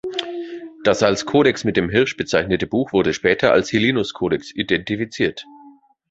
Das als "Codex mit dem Hirsch" bezeichnete Buch wurde später als Hillinus-Codex identifiziert.